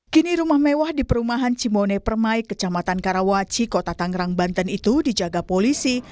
kini rumah mewah di perumahan cimone permai kecamatan karawaci kota tangerang banten itu dijaga polisi